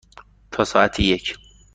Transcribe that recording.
تا ساعت یک.